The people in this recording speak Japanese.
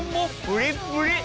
プリップリ！